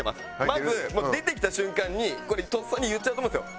まず出てきた瞬間にこれとっさに言っちゃうと思うんですよ。